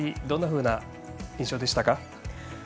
どんなふうな印象でしたか？